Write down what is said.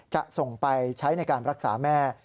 จะส่งไปใช้ในการรักษาแม่